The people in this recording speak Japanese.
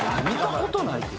見たことない。